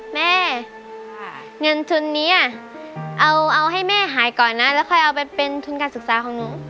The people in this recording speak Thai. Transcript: แม่เงินทุนนี้เอาให้แม่หายก่อนนะแล้วค่อยเอาไปเป็นทุนการศึกษาของหนู